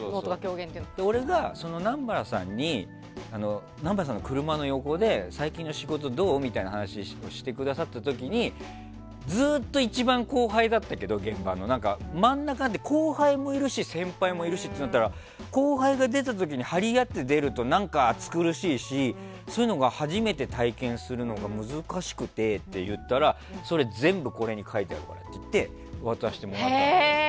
俺は南原さんに南原さんの車の横で最近の仕事、どう？みたいな話をしてくださった時にずっと一番現場の後輩だったけど真ん中になって後輩もいるし先輩もいるしとなったら後輩が出た時に張り合って出たら何か暑苦しいしそういうのが初めて体験するのが難しくてって言ったらそれ全部これに書いてあるからって言って渡してもらったの。